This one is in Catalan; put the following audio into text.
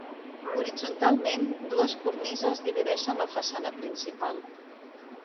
Horitzontalment, dues cornises divideixen la façana principal.